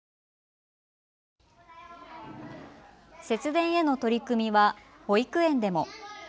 節電への取り組みは保育園でも。